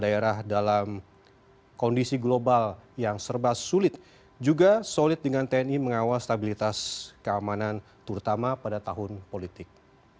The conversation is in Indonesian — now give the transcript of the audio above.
daerah dalam kondisi global yang serba sulit juga solid dengan tni mengawal stabilitas keamanan terutama pada tahun politik